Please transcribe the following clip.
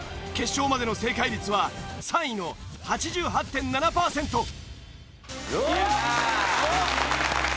決勝までの正解率は３位の８８．７パーセント。